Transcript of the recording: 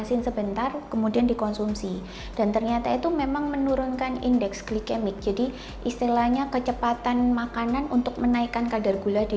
itu memang menurunkan indeks klikemik jadi istilahnya kecepatan makanan untuk menaikkan kadar gula di